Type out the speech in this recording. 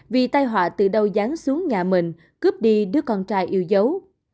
vì tai họa từ đâu dán xuống nhà mình cướp đi đứa con trai yêu dấu